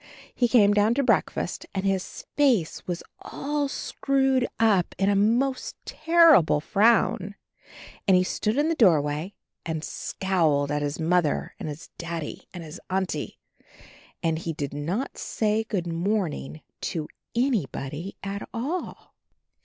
He came down to breakfast and his face was all screwed up in a most terrible frown, and he stood in the doorway and scowled at his Mother and his Daddy and his Auntie. And he did not say, "Good morning" to any body at all.